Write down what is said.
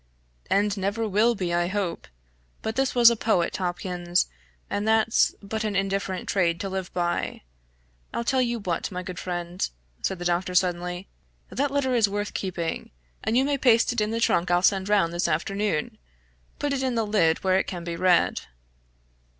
"And never will be, I hope; but this was a poet, Hopkins and that's but an indifferent trade to live by. I'll tell you what, my good friend," said the doctor, suddenly, "that letter is worth keeping, and you may paste it in the trunk I'll send round this afternoon put it in the lid, where it can be read."